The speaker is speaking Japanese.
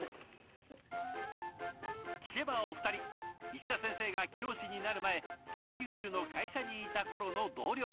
聞けばお二人石田先生が教師になる前北九州の会社にいた頃の同僚。